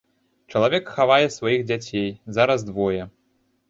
Чалавек хавае сваіх дзяцей, зараз двое.